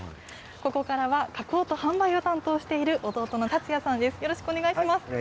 ここからは加工と販売を担当している、弟の達也さんです。